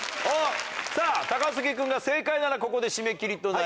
さぁ高杉君が正解ならここで締め切りとなります。